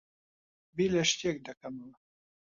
بیر لە شتێک دەکەمەوە.